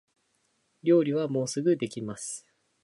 料理はもうすぐできます